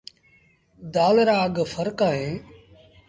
دآل رآ اگھ ڦرڪ اهيݩ ۔